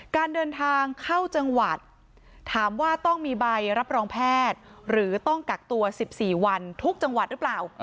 การเดินทางเข้าจังหวัดถามว่าต้องมีใบรับรองแพทย์หรือต้องกักตัว๑๔วันทุกจังหวัดหรือเปล่า